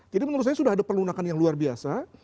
jadi menurut saya sudah ada perlunakan yang luar biasa